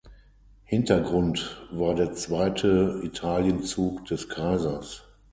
Hintergrund war der zweite Italienzug des Kaisers.